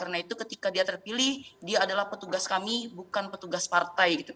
karena itu ketika dia terpilih dia adalah petugas kami bukan petugas partai